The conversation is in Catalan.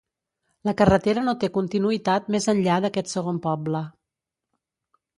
La carretera no té continuïtat més enllà d'aquest segon poble.